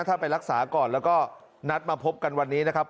ถ้าไปรักษาก่อนแล้วก็นัดมาพบกันวันนี้นะครับ